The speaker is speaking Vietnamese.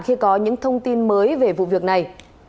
khi có những thông tin mới về vụ việc này